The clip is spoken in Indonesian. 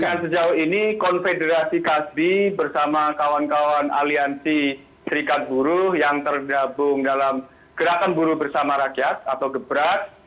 dengan sejauh ini konfederasi kasbi bersama kawan kawan aliansi serikat buruh yang tergabung dalam gerakan buruh bersama rakyat atau gebras